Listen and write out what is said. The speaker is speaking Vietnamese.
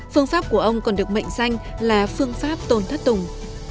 phương pháp của ông còn được mệnh danh là phương pháp tôn thất tùng